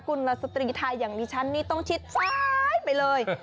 คุณละสตรีไทยอย่างดิฉันนี่ต้องชิดซ้ายไปเลย